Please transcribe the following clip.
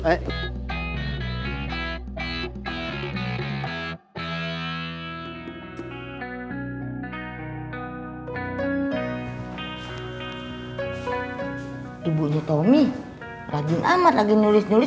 ibu ibunya tomi rajin amat lagi nulis nulis